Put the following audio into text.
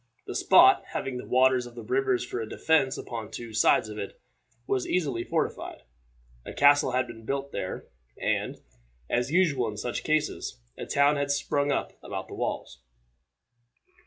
The spot, having the waters of the rivers for a defense upon two sides of it, was easily fortified. A castle had been built there, and, as usual in such cases, a town had sprung up about the walls.